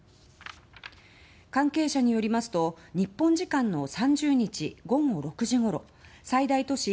関係者によりますと日本時間の３０日午後６時ごろ最大都市